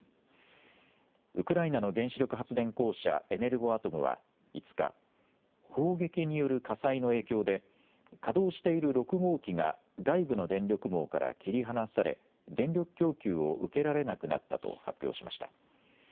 ウクライナの原子力発電公社、エネルゴアトムは５日、砲撃による火災の影響で、稼働している６号機が外部の電力網から切り離され、電力供給を受けられなくなったと発表しました。